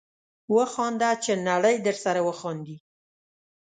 وخانده چې نړۍ درسره وخاندي